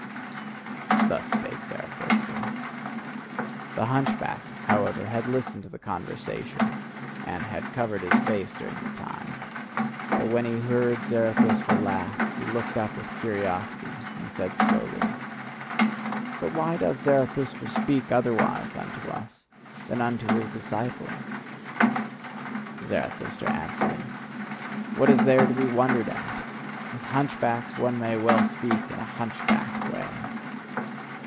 Thus spake Zarathustra. The hunchback, however, had listened to the conversation and had covered his face during the time; but when he heard Zarathustra laugh, he looked up with curiosity, and said slowly: "But why doth Zarathustra speak otherwise unto us than unto his disciples?" Zarathustra answered: "What is there to be wondered at! With hunchbacks one may well speak in a hunchbacked way!"